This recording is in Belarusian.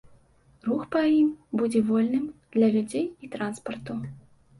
Рух па ім будзе вольным для людзей і транспарту.